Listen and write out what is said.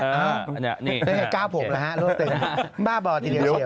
ได้แค่๙๖แล้วครับร่วมตึงบ้าบ่อทีเดียว